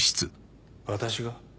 私が？